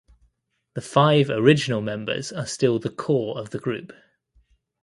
The five original members are still the core of the group.